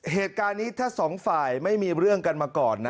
เหตุการณ์นี้ถ้าสองฝ่ายไม่มีเรื่องกันมาก่อนนะ